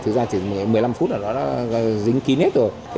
thực ra thì một mươi năm phút rồi nó đã dính kín hết rồi